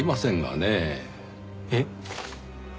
えっ？